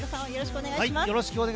よろしくお願いします。